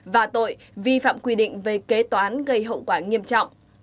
và tội vi phạm quy định về kế toán gây hậu quả nghiêm trọng